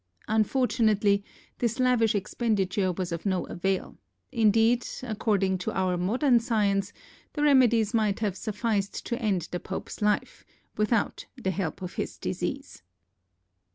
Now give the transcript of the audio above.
Unfortunately, this lavish expenditure was of no avail; indeed, according to our modern science, the remedies might have sufficed to end the pope's life, without the help of his disease.